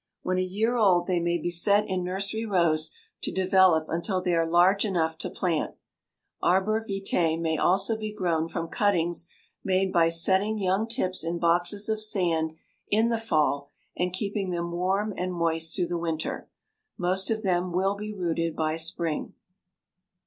When a year old they may be set in nursery rows to develop until they are large enough to plant. Arbor vitæ may also be grown from cuttings made by setting young tips in boxes of sand in the fall and keeping them warm and moist through the winter. Most of them will be rooted by spring.